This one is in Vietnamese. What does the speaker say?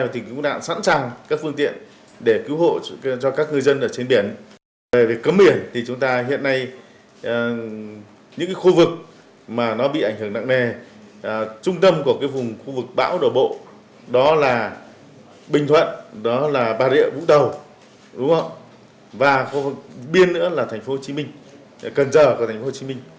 đó là bình thuận đó là bà rịa vũng tàu và biên nữa là thành phố hồ chí minh gần giờ của thành phố hồ chí minh